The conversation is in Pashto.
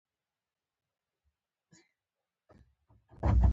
ځغاسته د هر سړي د ژوند ښکلا ده